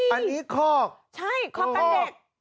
อันนี้คอกใช่คอกกันเด็ก